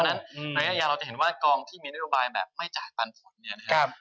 เพราะฉะนั้นระยะยาวเราจะเห็นว่ากองที่มีนโยบายแบบไม่จ่ายปันผลเนี่ยนะครับ